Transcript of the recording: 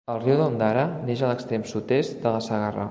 El riu d'Ondara neix en l'extrem sud-est de la Segarra.